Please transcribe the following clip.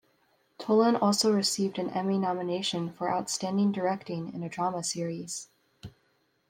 Tolan also received an Emmy nomination for Outstanding Directing in a Drama Series.